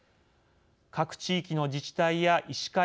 各地域の自治体や医師会